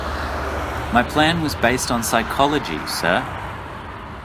My plan was based on psychology, sir.